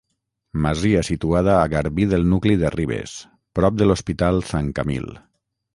Masia situada a garbí del nucli de Ribes, prop de l'Hospital Sant Camil.